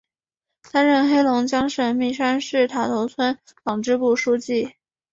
担任黑龙江省密山市塔头村党支部书记。